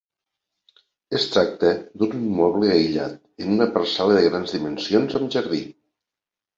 Es tracta d'un immoble aïllat en una parcel·la de grans dimensions amb jardí.